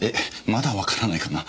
まだわからないかな？